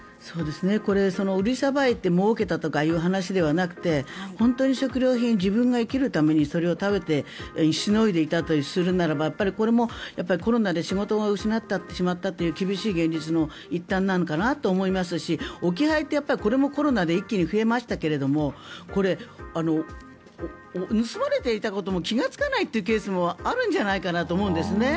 これ、売りさばいてもうけたという話ではなくて本当に食料品自分が生きるためにそれを食べてしのいでいたとするならばこれもコロナで仕事を失ってしまったという厳しい現実の一端なのかなと思いますし置き配って、これもコロナで一気に増えましたけどもこれ、盗まれていたことも気がつかないというケースもあるんじゃないかなと思うんですね。